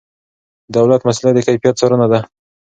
د دولت مسؤلیت د کیفیت څارنه ده.